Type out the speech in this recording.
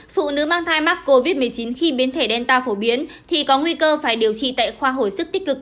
phụ nữ mang thai mắc covid một mươi chín khi biến thể đen ta phổ biến thì có nguy cơ phải điều trị tại khoa hồi sức tích cực